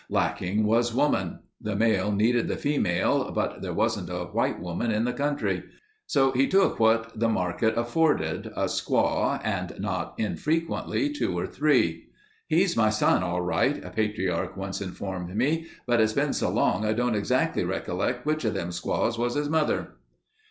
Lacking was woman. The male needed the female but there wasn't a white woman in the country. So he took what the market afforded—a squaw and not infrequently two or three. "He's my son all right," a patriarch once informed me, "but it's been so long I don't exactly recollect which of them squaws was his mother."